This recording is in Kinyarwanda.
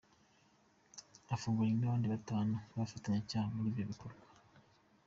Afunganywe n’abandi batanu ku bufatanyacyaha muri ibyo bikorwa.